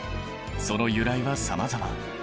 その由来はさまざま。